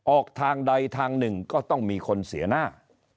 ออกทางใดทางหนึ่งก็ต้องมีคนเสียหน้า